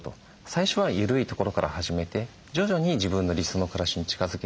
最初は緩いところから始めて徐々に自分の理想の暮らしに近づけていくと。